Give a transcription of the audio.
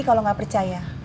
kalau gak percaya